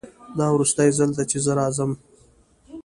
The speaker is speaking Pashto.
دا وروستی ځل ده چې زه راځم